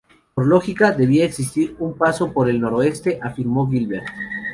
Por lógica, debía existir un paso por el noroeste, afirmó Gilbert.